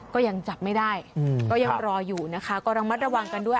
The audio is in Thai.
ก็ยังจับไม่ได้ก็ยังรออยู่นะคะก็ระมัดระวังกันด้วย